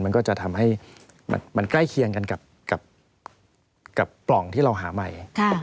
มันก็จะทำให้มันใกล้เคียงกันกับปล่องที่เราหาใหม่